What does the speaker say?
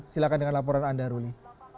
silahkan dengan laporan anda ruli